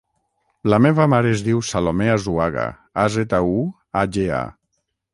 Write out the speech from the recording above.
La meva mare es diu Salomé Azuaga: a, zeta, u, a, ge, a.